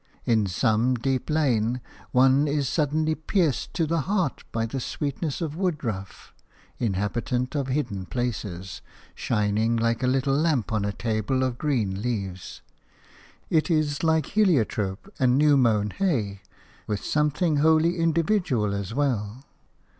In some deep lane one is suddenly pierced to the heart by the sweetness of woodruff, inhabitant of hidden places, shining like a little lamp on a table of green leaves. It is like heliotrope and new mown hay with something wholly individual as well.